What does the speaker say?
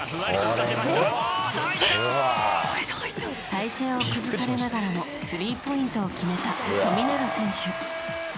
体勢を崩されながらもスリーポイントを決めた富永選手。